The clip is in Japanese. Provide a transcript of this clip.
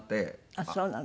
ああそうなの。